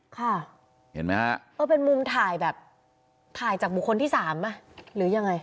เห็นไหมฮะเออเป็นมุมถ่ายแบบถ่ายจากบุคคลที่สามอ่ะหรือยังไง